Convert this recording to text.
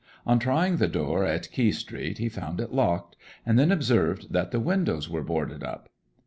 On trying the door in Quay Street he found it locked, and then observed that the windows were boarded up.